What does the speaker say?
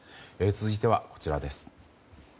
続いては、こちらです。